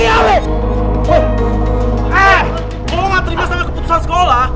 kalau lu gak terima sama keputusan sekolah